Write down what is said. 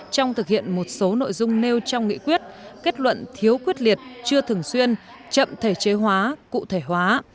trong thực hiện một số nội dung nêu trong nghị quyết kết luận thiếu quyết liệt chưa thường xuyên chậm thể chế hóa cụ thể hóa